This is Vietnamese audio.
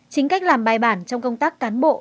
chính cách làm bài bản trong công tác cán bộ